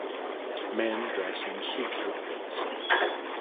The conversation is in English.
Men dress in suit outfits.